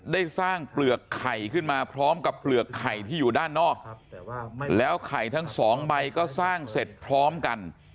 ได้สร้างเปลือกไข่ขึ้นมาพร้อมกับเปลือกไข่ที่อยู่ด้านนอกแล้วไข่ทั้งสองใบก็สร้างเสร็จพร้อมกัน